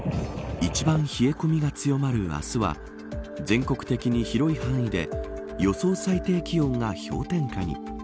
一番冷え込みが強まる明日は全国的に広い範囲で予想最低気温が氷点下に。